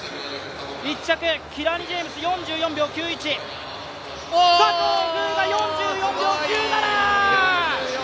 １着、キラニ・ジェームズ４４秒９１、佐藤風雅、４４秒９７！